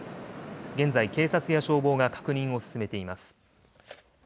現在、警察や消防が確認を進めています。